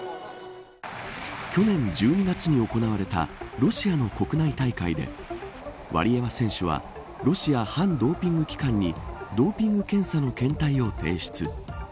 去年１２月に行われたロシアの国内大会でワリエワ選手はロシア反ドーピング機関にドーピング検査の検体を提出。